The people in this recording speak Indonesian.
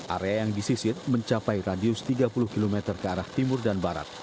area yang disisir mencapai radius tiga puluh km ke arah timur dan barat